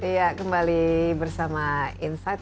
ya kembali bersama insight